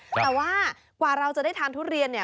แต่ว่ากว่าเราจะได้ทานทุเรียนเนี่ย